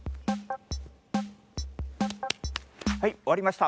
はいおわりました。